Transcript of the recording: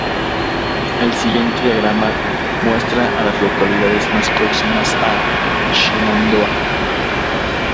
El siguiente diagrama muestra a las localidades más próximas a Shenandoah.